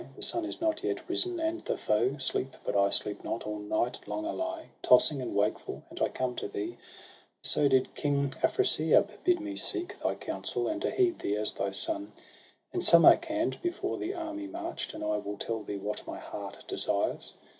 The sun is not yet risen, and the foe Sleep; but I sleep not; all night long I lie Tossing and wakeful, and I come to thee. For so did King Afrasiab bid me seek Thy counsel, and to heed thee as thy son, SOHRAB AND RUSTUM. 85 In Samarcand, before the army march'd; And I will tell thee what my heart desires.